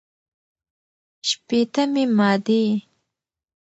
شپېتمې مادې